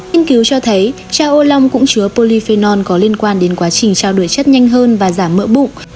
nhiên cứu cho thấy trà ô long cũng chứa polyphenol có liên quan đến quá trình trao đổi chất nhanh hơn và giảm mỡ bụng